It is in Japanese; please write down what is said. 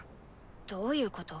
どういうこと？